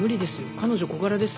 彼女小柄です。